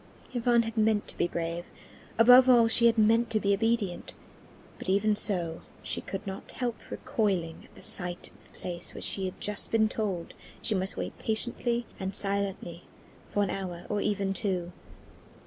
III Yvonne had meant to be brave. Above all she had meant to be obedient. But even so, she could not help recoiling at sight of the place where she had just been told she must wait patiently and silently for an hour, or even two.